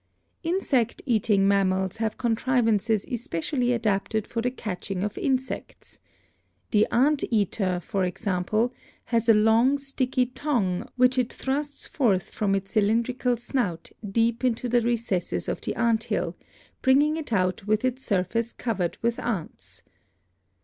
Insect eating mammals have contrivances especially adapted for the catching of insects. The ant eater, for example, has a long sticky tongue which it thrusts forth from its cylindrical snout deep into the recesses of the ant hill, bringing it out with its surface covered with ants.